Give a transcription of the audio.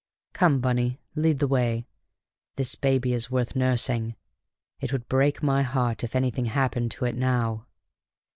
Come, Bunny, lead the way. This baby is worth nursing. It would break my heart if anything happened to it now!"